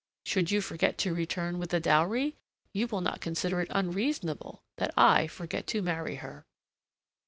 Should you forget to return with the dowry, you will not consider it unreasonable that I forget to marry her."